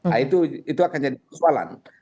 nah itu akan jadi persoalan